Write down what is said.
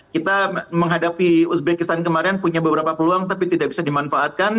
kita menghadapi uzbekistan kemarin punya beberapa peluang tapi tidak bisa dimanfaatkan